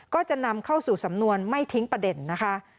ก็จะนำเข้าสู่สำนวนไม่ทิ้งประเด็นนะคะ